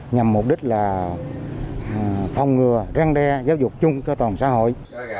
nhằm mục đích là phòng ngừa răn re giáo dục chung cho toàn xã hội